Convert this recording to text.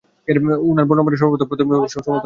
জমহুর উলামার বর্ণনায় প্রথম অভিমতের সমর্থন পাওয়া যায়।